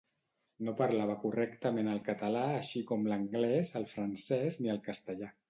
No parlava correntment el català així com l'anglès, el francès ni el castellà.